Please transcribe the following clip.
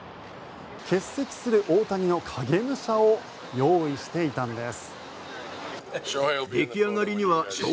欠席する大谷の影武者を用意していたんです。